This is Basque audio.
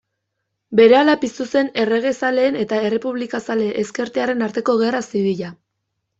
Berehala piztu zen erregezaleen eta errepublikazale ezkertiarren arteko gerra zibila.